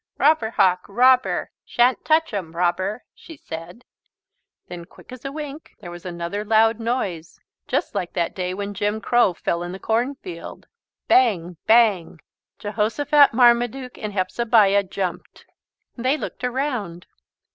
"Robber Hawk, robber! Shan't touch 'em robber!" she said. Then quick as a wink there was another loud noise, just like that day when Jim Crow fell in the cornfield. "Bang, bang!" Jehosophat, Marmaduke and Hepzebiah jumped. They looked around.